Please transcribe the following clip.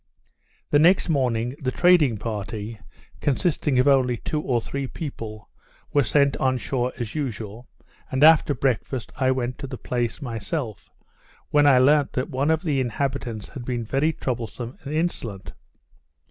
Next morning the trading party, consisting of only two or three people, were sent on shore as usual; and, after breakfast, I went to the place myself, when I learnt that one of the inhabitants had been very troublesome and insolent.